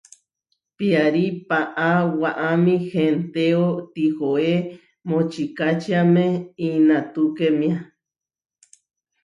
Piarí paʼá waʼámi hentéo, tihoé močikačiáme inatukémia.